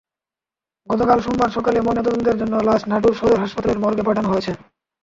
গতকাল সোমবার সকালে ময়নাতদন্তের জন্য লাশ নাটোর সদর হাসপাতালের মর্গে পাঠানো হয়েছে।